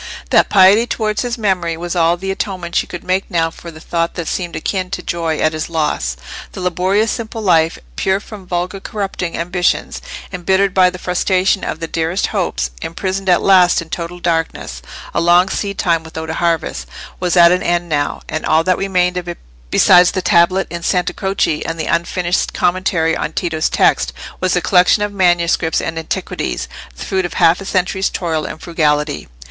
That piety towards his memory was all the atonement she could make now for a thought that seemed akin to joy at his loss. The laborious simple life, pure from vulgar corrupting ambitions, embittered by the frustration of the dearest hopes, imprisoned at last in total darkness—a long seed time without a harvest—was at an end now, and all that remained of it besides the tablet in Sante Croce and the unfinished commentary on Tito's text, was the collection of manuscripts and antiquities, the fruit of half a century's toil and frugality.